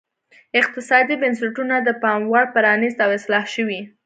اقتصادي بنسټونه د پاموړ پرانیست او اصلاح شوي.